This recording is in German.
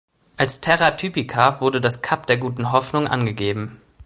Als Terra typica wurde das Kap der Guten Hoffnung angegeben.